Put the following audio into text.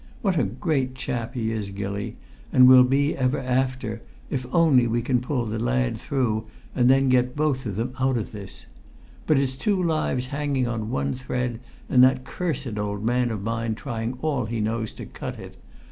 What a great chap he is, Gilly, and will be ever after, if only we can pull the lad through and then get them both out of this! But it's two lives hanging on one thread, and that cursed old man of mine trying all he knows to cut it!